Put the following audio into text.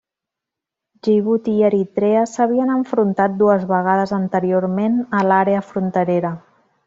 Djibouti i Eritrea s'havien enfrontat dues vegades anteriorment a l'àrea fronterera.